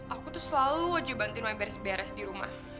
aku tuh selalu wajib bantuin yang beres beres di rumah